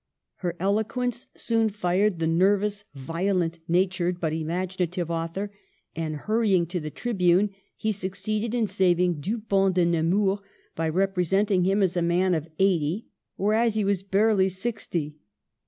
Her eloquence soon fired the nervous, violent natured, but imaginative author, and, hurrying to the tribune, he succeed ed in saving Dupont de Nemours, by represent ing him as a man of eighty, whereas he was barely sixty.